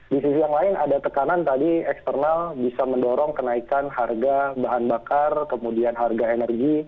di sisi yang lain ada tekanan tadi eksternal bisa mendorong kenaikan harga bahan bakar kemudian harga energi